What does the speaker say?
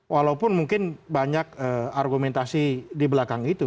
walaupun mungkin banyak argumentasi di belakang itu